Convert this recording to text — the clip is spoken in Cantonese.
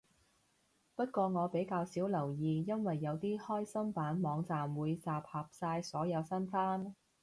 不過我比較少留意，因為有啲開心版網站會集合晒所有新番